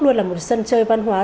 luôn là một sân chơi văn hóa